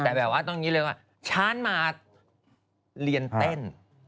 แต่แบบว่าต้องคิดเร็วช้านมาเรียนเต้น